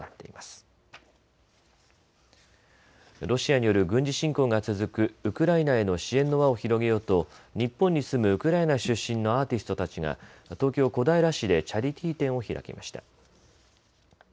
ロシアによる軍事侵攻が続くウクライナへの支援の輪を広げようと日本に住むウクライナ出身のアーティストたちが東京小平市でチャリティー展を開きました。